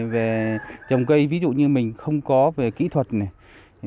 về trồng cây ví dụ như mình không có về kỹ thuật này